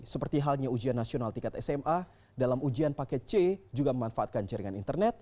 seperti halnya ujian nasional tingkat sma dalam ujian paket c juga memanfaatkan jaringan internet